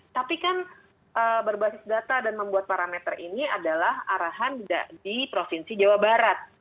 tapi kan berbasis data dan membuat parameter ini adalah arahan di provinsi jawa barat